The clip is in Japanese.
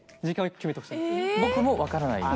僕も分からないように？